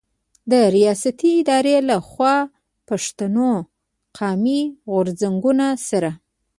د رياستي ادارو له خوا د پښتون قامي غرځنګونو سره